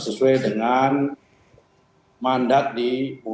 sesuai dengan mandat di